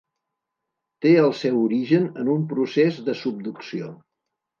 Té el seu origen en un procés de subducció.